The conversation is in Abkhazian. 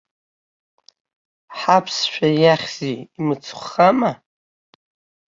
Ҳаԥсшәа иахьзеи, имыцхәхама?